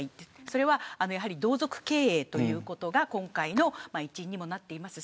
それはやはり同族経営ということが今回の一因にもなっています。